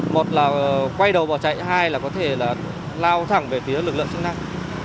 một là quay đầu bỏ chạy hai là có thể là lao thẳng về phía lực lượng chức năng